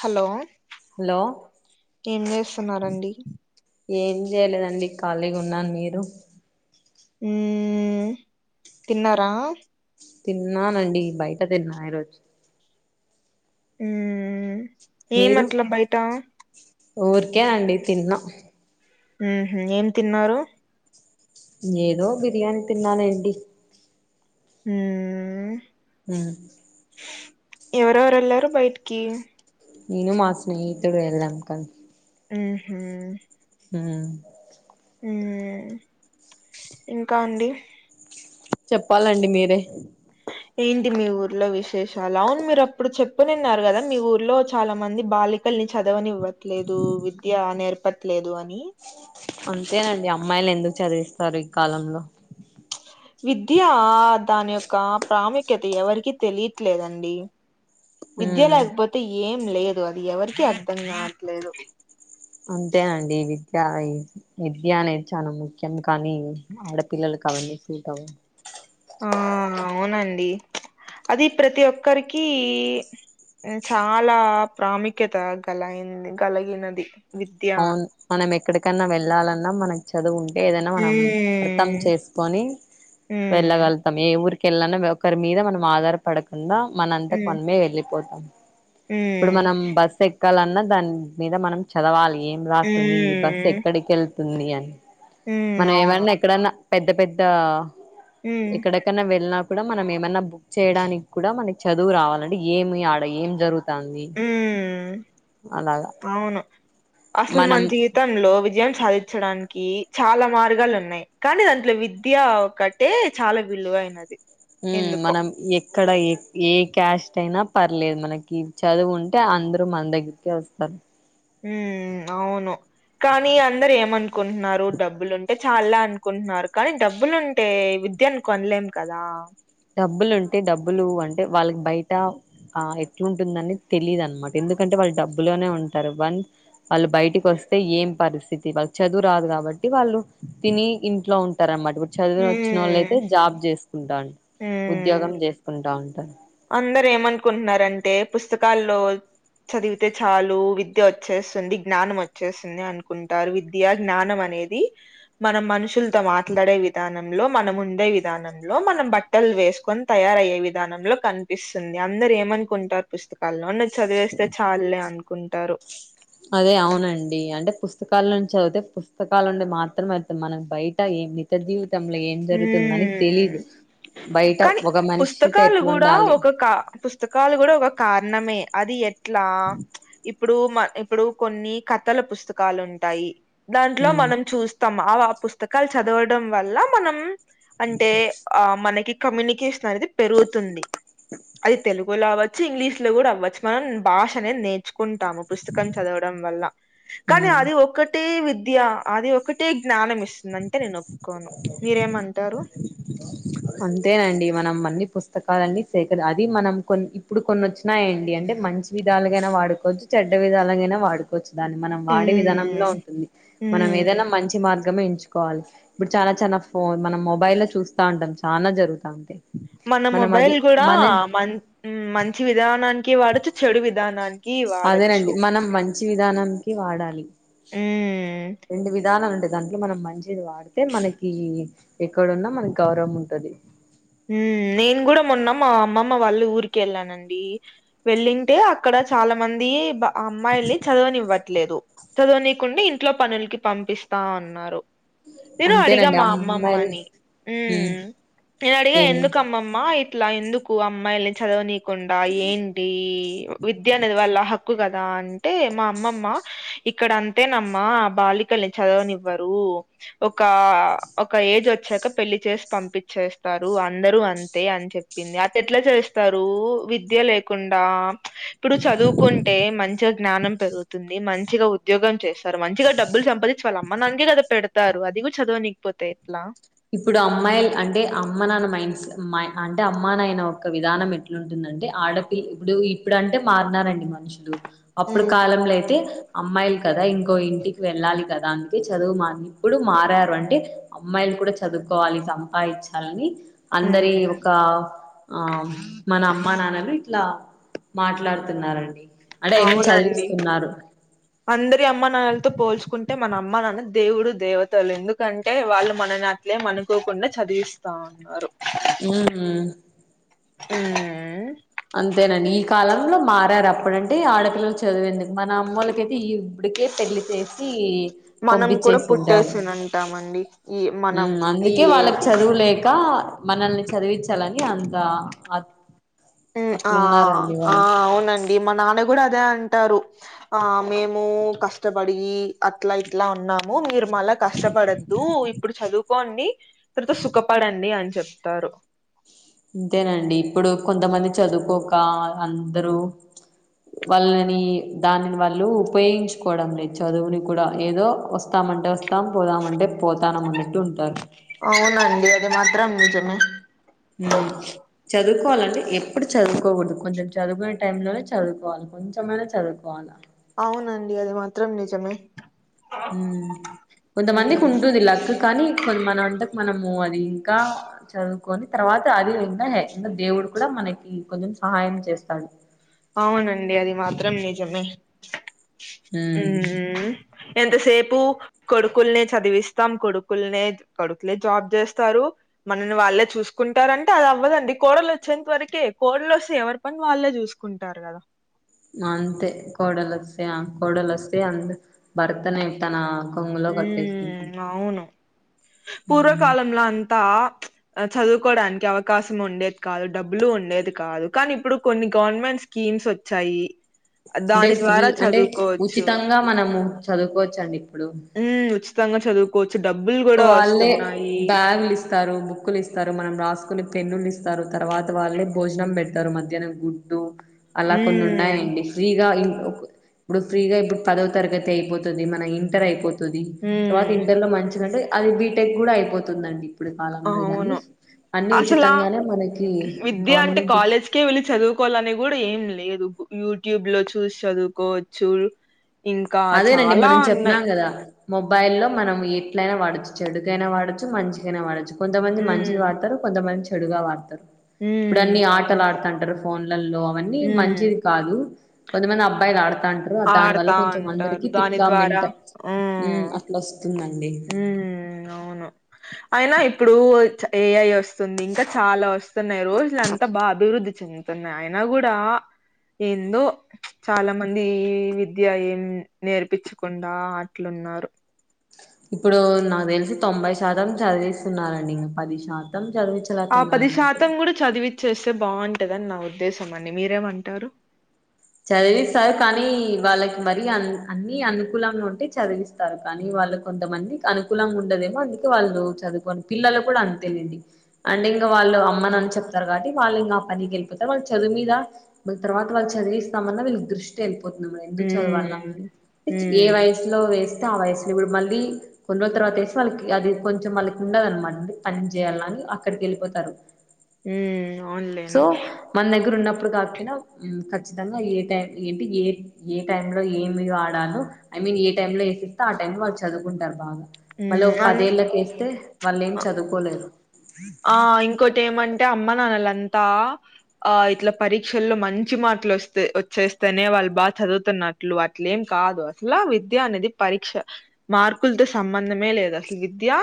Hello hello ఏం చేస్తున్నారండి ఏం చేయలేదండి ఖాళీగా ఉన్నాను మీరు ఊ తిన్నారా తిన్నానండి బయట తిన్నా ఈరోజు ఊ ఏం మీరు అట్ల బయట ఊరికే అండి తిన్న ఉహు ఏం తిన్నారు ఏదో బిర్యానీ తిన్నాను అండి ఉమ్ హు ఎవరెవరు వెళ్లారు బైటికి నేను మా స్నేహితుడు వెళ్ళాంకా ఉహు హా హూ ఇంకా అండి చెప్పాలండి మీరే ఏంటి మీ ఊర్లో విశేషాల మీరు అప్పుడు చెప్ప నిన్నారు కదా మీ ఊర్లో చాలా మంది బాల్య సైకల్ని చదవనివ్వట్లేదు విద్య నేర్పట్లేదు అని అంతేనండి అమ్మాయిల్ని ఎందుకు చదివిస్తారు ఈ కాలంలో విద్య దాని యొక్క ప్రాముఖ్యత ఎవరికీ తెలియట్లేదండి విద్య ఉమ్, లేకపోతే ఏం లేదు అది ఎవరికీ అర్థం కాట్లేదు అంతేనండి విద్య విద్య అనేది చాన ముఖ్యం కానీ ఆడపిల్లలలకు అవన్నీ సూట్ అవ్వ ఆ అవునండి అది ప్రతి ఒక్కరికి చాలా ప్రాముఖ్యత గల అయింది గలిగినది అవును మనం ఎక్కడికన్నా వెళ్ళాలన్నా మనకు చదువు ఉం ఏదైనా మనం అర్థం ఉమ్ చేసుకొని ఉమ్ వెళ్ళగలుగుతాం ఏ ఊరి కెళ్ళనా ఒకరి మీద మనం ఆధారపడకుండా మనంతకు ఉమ్ మనమే వెళ్ళిపోతాం ఇప్పుడు ఉమ్ మనం బస్సు ఎక్కాలన్నా దాని మీద మనం చదవాలి ఏం రాస్తుంది ఈ బస్ ఉమ్ ఎక్కడికి వెళ్తుంది అని ఉమ్ మనం అవును ఏమన్నా ఎక్కడన్నా పెద్ద పెద్ద ఉమ్ ఎక్కడకన్నా వెళ్ళిన కూడా మనం ఏమన్నా బుక్ చేయడానికి కూడా మనకి చదువు రావాలని ఏమి ఆడ ఏం జరుగు అత్తాంది ఉమ్ అలాగా అసల్ మనం మన్ జీవితంలో విజయం సాధించడానికి చాలా మార్గాలున్నయి కానీ దాంట్లో విద్య ఒకటే చాలా విలువ అయినది మ్ మనం ఎక్కడ ఎ ఏ క్యాస్ట్ అయినా పర్లేదు మనకి చదువు ఉంటే అందరూ మన దగ్గర్కే వస్తారు. మ్ అవును. కానీ అందరు ఏమనుకుంటున్నారు డబ్బులుంటే చాల్ల అనుకుంటున్నారు కానీ డబ్బులుంటే విద్యను కొన్లేం కదా డబ్బులుంటే డబ్బులు అంటే వాళ్ళక్ బైటా ఆ ఎట్లుంటుందని తెలీద్ అన్మాట ఎందుకంటే వాళ్ళు డబ్బులోనే ఉంటారు. వన్ వాళ్ళు బయటికి వస్ స్తే ఏం పరిస్థితి వాళ్ళ చదువు రాదు కాబట్టి వాళ్ళు తిని ఇంట్లో ఉంటారన్నమాట. ఇ చదువు వచ్చిన వాళ్ళైతే హ్మ్. జాబ్ చేసుకుంటా ఉద్యోగం చేస్కుంటా ఉంటారు. అందర్ ఏమనుకుంటున్నారంటే పుస్తకాల్లో చదివితే చాలు విద్య వచ్చేస్తుంది జ్ఞానం వచ్చేస్తుంది అనుకుంటారు. విద్య జ్ఞానం అన్ నేది మనం మనుషులతో మాట్లాడే విధానంలో, మనం ఉండే విధానంలో మనం బట్టల్ వేస్కొన్ తయారయ్యే విధానంలో కన్పిస్తుంది. అందర్ ఏమనుకుంటారు పుస్తకాల్లో ఉన్నద్ చదివేస్తే చాల్లే అను కుంటారు. అదే అవునండి అంటే పుస్తకాల్లోచి చదివితే పుస్తకాల్లో ఉండే మాత్రం అవుతుంది మనక్ బైట ఎ ఈ మిత జీవితంలో ఏం జరుగుతుందని తెలీదు. బయట కాని ఒక మనిషితో పుస్తకాలు గుడా ఎట్లుండాలి ఒక కా పుస్తకాలు గుడా ఒక కారణమే అది ఎట్లా ఇప్పుడు మ ఇప్పుడు కొన్ని కథల పుస్తకాలుంటాయి. దాంట్లో ఉమ్, మనం చూస్తాం. అవా పుస్తకాల్ చదవడం వల్ల మనం అంటే ఆ మనకి కమ్యూనికేషన్ అనేది పెరుగుతుంది. అది తెలు గుల అవచ్చు ఇంగ్లీష్లో గుడ అవ్వచ్చు మనం భాష అనేద్ నేర్చు కుంటాము పుస్తకం చదవడం వల్ల కానీ ఉమ్. అది ఒక్క టే విద్యా అది ఒకటే జ్ఞానం ఇస్తుందంటే నేన్ ఒప్పుకోను. మీరేమంటారు అంతేనండి మనం అన్ని పుస్తకాలన్నీ సేకర అది మనం కొన్ ఇప్పుడు కొన్ని వచ్చినాయండి అన్ అంటే మంచి విధాలుగైనా వాడుకోచ్చు, చెడ్డ విధాలుగైనా వాడుకోవచ్చు. దాన్ని మనం వాడే విధానంలో హ్మ్ ఉంటుంది మనం ఏదైనా హ్మ్ మంచి మార్గమే ఎంచు కోవాల్ ఇప్పుడు చాలా చాల ఫోన్ మనం మొబైల్లో చూస్తా ఉంటాం చానా జరుగుతాంటే మన మొబైల్ గుడా మం మంచి విధానానికి వాడొచ్చు చెడు విధానాన్ అదేనండి మనం మంచి విధానానికి వాడాలి హ్మ్ రెండు విధానాలుండే దాంట్లో మనం మంచిది వాడ్తే మనకి ఎక్కడున్నా మనక్ గౌరవం ఉంటది. మ్ నేన్ గుడా మొన్న మా అమ్మమ్మ వాళ్ళు ఊరికెళ్ళానండి వెళ్ళింటే అక్కడ చాలా మంది అమ్మాయిల్ని చదవనివ్వట్లేదు. చదవనీకుండ ఇంట్లో పనుల్కి పంపిస్తా ఉన్నారు. నేను అడిగా అంతేనండి మా అమ్మాయిలు అమ్మమ్మని ఉమ్ మ్ నేన్ అడిగ ఏమి ఎందుకు అమ్మమ్మా ఇట్లా ఎందుకు అమ్మాయిల్ని చదవని కుండా ఏంటి విద్య అనేది వాళ్ళ హ క్కు కదా అంటే మా అమ్మమ్మ ఇక్కడ అంతేనమ్మా బాలికల్ని చదవనివ్వరు ఒక ఒక ఏజ్ వచ్చాక పెళ్లి చేస్ పంపిచ్చేస్ స్తారు అందరు అంతే అని చెప్పింది అటేట్లా చేస్తారు విద్య లేకుండా ఇప్పుడు చదువుకుంటే మంచిగ జ్ఞానం పెరుగుతుంది మంచిగా ఉద్యోగం చేస్ స్తారు మంచిగా డబ్బులు సంపాదించి వాళ్ళ అమ్మ నాన్నకే కదా పెడతారు. అది కూడా చదవనికపోతే ఎట్లా ఇప్పుడు అమ్మాయిలు అంటే అమ్మ నాన్న మైండ్స్ అంటే అమ్మా నాయన ఒక విధానం ఎట్లుంటుంది అంటే ఆడపిల్ ఇప్పుడు ఇప్పుడు అంటే మారినారండి మనుషులు అప్పుడు ఉమ్ కాలంలో అయితే అమ్మాయిలు కదా ఇంకో ఇంటికి వెళ్ళాలి కదా అందుకే చదువు మ ఇప్పుడు మారారు అంటే అమ్మాయిలు కూడా చదువుకోవాలి సంపాదించాలని అందరి ఉమ్ ఒక ఆ మనమ్ అమ్మ నాన్నలు ఇట్లా మాట్లాడుతున్నారండి అంటే ఐ మీన్ అవునండి చదివిస్తున్నారు అందరి అమ్మ నాన్నలతో పోల్చుకుంటే మన అమ్మ నాన్న దేవుడు దేవతలు ఎందుకంటే వాళ్ళు మనని అట్లేం అనుకోకుండా చదివిస్తా ఉన్నారు ఉహు ఊహు అంతేనండి ఈ కాలంలో మారారు అప్పుడంటే ఆడపిల్లలు చదివేందుకు మన అమ్మోలకైతే ఈ ఇప్పుడు కే పెళ్లి చేసి మనం పంపి కూడా చేసింటారు పుట్టేసినంటామండి ఈ ఉ మనం ఈ అందుకే వాళ్ళకి చదువులేక మనల్ని చదివిచ్చాలని అంత ఆ ఉ ఆ ఆ అవునండి మా నాన్న కూడా అదే అంటారు ఆ మేము కష్టపడి అట్లా ఇట్లా ఉన్నాము మీరు మళ్ళా కష్టపడద్దు ఇప్పుడు చదువుకోండి తర్వాత సుఖపడండి అని చెప్తారు ఇంతేనండి ఇప్పుడు కొంతమంది చదువుకోక అందరూ వాళ్ళని దానిని వాళ్ళు ఉపయోగించుకోవడంలే చదువుని కూడా ఏదో వస్తామం అంటె వస్తాం పోదామంటే పోతానం అన్నట్టు ఉంటారు అవునండి అది మాత్రం నిజమే ఉ చ చదువుకోవాలండి ఎప్పుడు చదువుకోకూడదు కొంచెం చదువుకునే టైంలోనే చదువుకోవాలి కొంచెమైనా చదువుకోవాల అవునండి అది మాత్రం నిజమే ఉ కొంతమందికి ఉమ్, ఉంటుంది లక్ కానీ కొం మన అంటే మనము అది ఇంకా ఆ చదు కొని తర్వాత అది విన్నహే ఇంగ దేవుడు కూడా మనకి కొంచెం సహాయం చేస్తాడు అవునండి అది మాత్రం నిజమే ఊ ఉమ్, ఎంతసేపు కొడుకుల్నే చదివిస్తాం కొడుకుల్నే కొడుకులే జాబ్ చేస్తారు మనల్ని వాళ్ళే చూసుకుంటారంటే అది అవ్వదండి కోడలు వచ్చేంత వరకే కోడలు వస్తే ఎవరి పని వాళ్ళే చూసుకు కుంటారు కదా అంతే కోడలస ఆ కోడలసే అంద బర్తనే ఇట్టనా కొంగులో కట్టేసుకుం పూర్వకాలంలా అన్ అంత చదువుకోవడానికి అవకాశం ఉండేది కాదు డబ్బులు ఉండేది కాదు కానీ ఇప్పుడు కొన్ని గవర్నమెంట్ స్కీమ్స్ వచ్చాయి అంటే దాని స్త్రీ ద్వారా అంటే చదువుకోవచ్చు ఉచితంగా మనము చదువుకోవచ్చు అండి. ఉ ఉచితంగా చదువుకోవ వాళ్ళే బ్యాగులు ఇస్తారు బుక్కులు ఇస్తారు మనం రాసుకునే పెన్నులు ఇస్ తర్వాత వాళ్ళే భోజనం పెడతారు మధ్యాహ్నం గుడ్డు అలా కొన్ని హ్మ్. ఉన్నాయండి ఫ్రీగా ఏ ఇప్పుడు ఫ్రీగా ఇప్పుడు పదవ తరగతి అయిపోతది మన ఇంటర్ అయిపో తది తర్వాత హ్మ్. ఇంటర్లో మంచిగంటే అది బీటెక్ కూడా అయిపోతుందండి. ఇప్పుడు కాలంలో దాన్ని అవును. అన్ని అసలా ఉచితంగానే మనకి గవర్నమెంట్ ఇస్ కోలని గుడా ఏం లేదు యూట్యూబ్లో చూస్ చదువుకోవచ్చు. ఇంకా అదేనండి చాలా మనం ఉన్నాయి. చెప్పనాం గదా మొబైల్లో మనం ఎట్లైన వాడొచ్చు చెడుకైనా, వాడచ్చు మంచికైనా వాడచ్చు. కొంతమంది మంచిది వాడ్తరు కొంతమంది చెడుగా వాడ్తరు. మ్ ఇప్పుడ్ అన్నీ ఆటల్ ఆడతాంటరు ఫోన్లలో అవన్నీ హ్మ్. మంచిది కాదు. కొంతమంది అబ్బాయిల్ ఆడ్ తాంటరు దాని వల్ల ఆడతా కొంచెం ఉంటారు. అందర్కి తిక్క దాని ద్వారా మెంట మ్ అట్లా వస్తు మ్ అవును అయినా ఇప్పుడూ చ ఏఐ వస్తుంది ఇంక చాలా వస్తున్నయి రోజులు అంతా బా అభివృద్ధి చెందుతున్నాయి అయినా గుడా ఏందో చాలా మంది ఈ విద్య ఏం నేర్పిచ్చకుండా అట్లు ఉన్నారు. ఇప్పుడు నాక్ తెల్సి తొంభై శాతం చదివిస్తున్నారండి ఇం పది శాతం ఆ చదివించలేకున్నారు పది అంతే శాతం గుడ చదివి చేస్తే బాగుంటదన్ నా ఉద్దేశం అండి మీరేమంటారు? చదివిస్తారు కానీ వాళ్ళక్ మరి అం అన్ని అనుకూలంగుంటే చదివిస్తారు కానీ వా వాళ్ళ కొంతమందిక్ అనుకూలంగా ఉండదేమో అందుకే వాళ్ళు చదువుకోన్ పిల్లలక్ కూడా అంతేలెండి అంటే ఇంట్లో వాళ్ళు అమ్మనన్ చెప్తరు కాబటి వాళ్ళు నా పనికి ఎళ్ళిపోతే వాళ్ళు చదు మీద తర్వాత వాళ్ళు చదివిస్ తామన్న వీళ్ళక్ దృష్టి ఎళ్ళిపోతుంది మరి ఎందుకు చదవాల హ్మ్. ఏ హ్మ్. వయసులో వేస్ స్తే ఆ వయసులో ఇప్పుడు మళ్ళీ కొన్ని రోజుల్ తర్వాత ఏస్తే వాళ్ళకి అది కొంచం వాళ్ళకి ఉండదన్మాట పన్ చేయాలని అక్కడికెళ్ళిపోతారు. హ్మ్. అవునులేండి. మన దగ్గర ఉన్నప్ ప్పుడు కాకపోయినా నిజంగా ఏ టైం ఏంటి ఏ ఏ టైమ్లో ఏమి వాడాలో ఐ మీన్ ఏ టైమ్లో ఏసిస్త ఆ టైం వాళ్ళు చదువుకుంటారు బాగా మాల్లో హ్మ్. అన్ పదేళ్ళకేస్తే వాళ్లేం అ చదువుకోలేరు. ఆ ఇంకోట్ ఏమంటే అమ్మ నాన్నలన్ అంతా ఆ ఇట్లా పరీక్షల్లో మంచి మార్కుల్ వస్తే వచ్చేస్తేనే వాళ్ళు బాగా చదువుతు న్నట్లు అట్లేం కాదు అసల విద్య అనేది పరీక్ష మార్కుల్తో సంబంధమే లేద్ అసలు విద్యా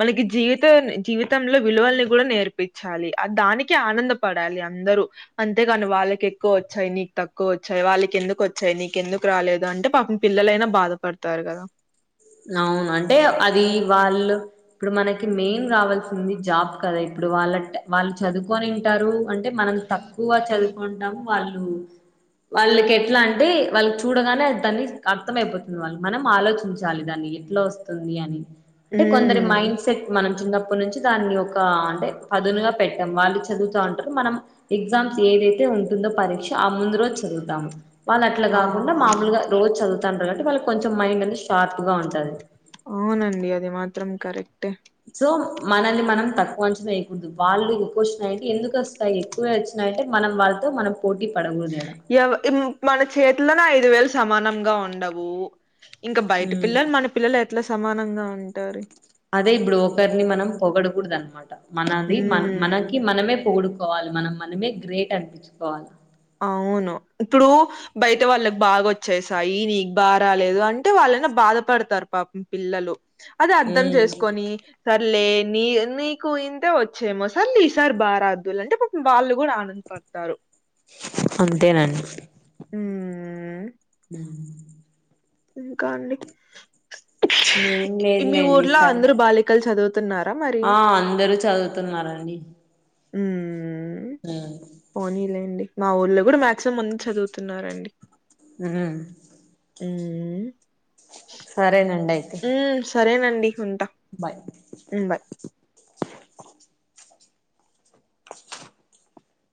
మనకి జీవిత జీవితం ఫుల్ విలువల్ని కూడా నేర్పిచ్చాలి. దానికి ఆనందపడాలి అందరూ అంతేగాని వాళ్ళకే ఎక్కు వచ్చాయి నీక్ తక్కువ వచ్చాయి వాళ్ళకెందుక్ వచ్చాయి నీక్ ఎందుకు రాలేదు అంటే పాపం పిల్లలైనా బాధపడతారు. కదా నవున్ అంటే అది వాళ్ళు ఇప్పుడు మనకి మెయిన్ రావాల్సింది జాబ్ కదై ఇప్పుడు వాళ్ళంట వాళ్ళు చదువుకొని ఉంటారు అంటే మనం తక్కువ చదువుకుంటాము వాళ్ళు వాళ్ళకెట్లా అంటే వాళ్ళక్ చూడగానే దాన్ని అర్థం అయిపోతుంది వాళ్ళకి మనం ఆలోచిం చాలి దాన్ని ఎట్లా వస్తుంది అని అంటే కొందరి హ్మ్. మైండ్ సెట్ మన చిన్నప్ ప్పడ్ నుంచి దాన్ని ఒక అంటే పదునుగ పెట్టం వాళ్ళు చదువుతా ఉంటారు మనం ఎగ్జామ్స్ ఏదైతే ఉంటుందో పరీక్ష ఆ ముందు రోజ్ చదువుతాము. వాళ్ళు అట్ల ఆ! ఆ! కాకుండా మామూల్గా రోజ్ చదువుతాంటర్ కాబట్టి వాళ్ళక్ కొంచం మైండ్ షార్ప్గా ఉంటది. అవునండి. అది మాత్రం కరెక్టే సో మనల్ని మనం తక్కు అంచనా వేయకూడదు వాళ్ళు ఎక్కు వస్తున్నాయంటే ఎందుకస్తాయి ఎక్కువే వచ్చి న్నాయంటే మనం వాళ్ళతో మనం పోటీ పడకూడదు గదా ఎవ ఇం మన చేతిలోనే ఐదు వేలు సమానంగా ఉండవు ఇంకా బైటి ఉమ్ పిల్లల్ మన పిల్లల్ అట్లా సమానంగా ఉంటారి అదే బ్రోకర్ ని మనం పొగడకూడదు అనమాట. మనది మన మనకి ఉమ్ మనమే పొగడుక కోవాలి మనం మనమే గ్రేట్ అనిపించుకోవాలి. అవును ఇప్పుడు బయట వాళ్ళకి బాగా వచ్చేసాయి నీకు బాగా రాలేదు అంటే వాళ్ళైనా బా ధపడతారు పాపం పిల్లలు అది అర్థం ఉమ్ చేసుకొని సర లే నీ నీకు ఇంతే వచ్చేమో సర్లే ఈ సారి బారాద్దులే అంటే పాపం వాళ్ళు కూడా ఆనంద పడతారు అంతేనండి మ్ నామ్మ ఇంకా అండి ఏం మీ లేదులేండి ఊర్లో సార్ అందరు బాలికలు చదువు ఆ అందరూ చదువుతున్నారండి. ఉమ్ ఆ పోనీలేండి మా ఊర్లో కూడా మాక్సిమం ముందు చదువుతున్నరండి. ఆహ ఉమ్ సరే నండయితే ఉమ్ సరేనండి ఉం బాయ్